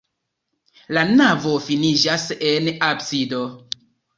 La navo finiĝas en absido.